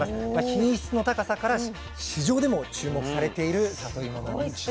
品質の高さから市場でも注目されているさといもなんです。